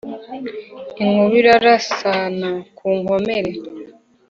Inkuba irarasana ku nkomere.